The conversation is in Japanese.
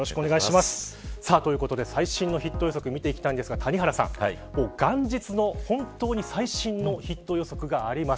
最新のヒット予測を見ていきたいんですが元日の本当に最新のヒット予測があります。